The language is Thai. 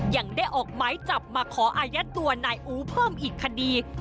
ยังได้ออกไม้จับมาขออายัดตัวนายอูเพิ่มอีกคดี